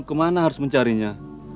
kemana harus mencarinya